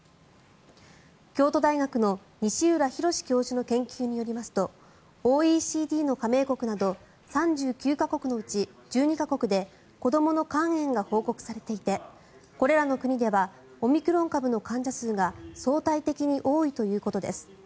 京都大学の西浦博教授の研究によりますとＯＥＣＤの加盟国など３９か国のうち１２か国で子どもの肝炎が報告されていてこれらの国ではオミクロン株の患者数が相対的に多いということです。